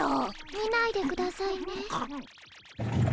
見ないでくださいね。